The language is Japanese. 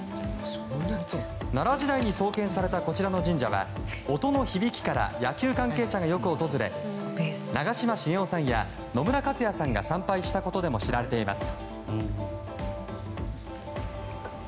奈良時代に創建されたこちらの神社は音の響きから野球関係者がよく訪れ長嶋茂雄さんや、野村克也さんが参拝したことでも知られています。